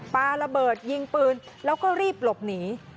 ปลาระเบิดยิงปืนแล้วก็รีบหลบหนี